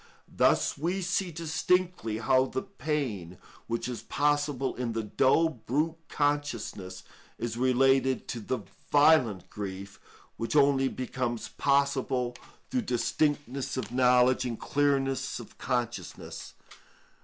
Thus we see distinctly how the pain which is possible in the dull brute consciousness is related to the violent grief, which only becomes possible through distinctness of knowledge and clearness of consciousness.